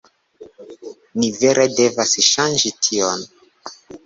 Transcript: Ni vere devas ŝangi tion